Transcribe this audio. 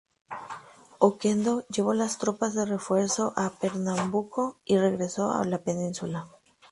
Oquendo llevó las tropas de refuerzo a Pernambuco y regresó a la Península.